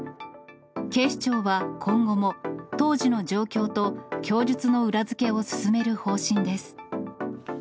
警視庁は、今後も当時の状況と供述の裏付けを進める方針です。